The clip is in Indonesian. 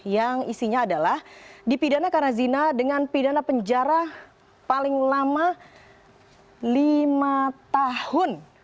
yang isinya adalah dipidana karena zina dengan pidana penjara paling lama lima tahun